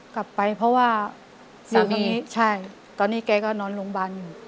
กลับไปเพราะว่าสามีใช่ตอนนี้แกก็นอนโรงพยาบาลอยู่